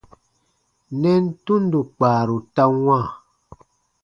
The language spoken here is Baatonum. Nɛn tundo kpaaru ta wãa.